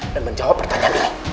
dan menjawab pertanyaan ini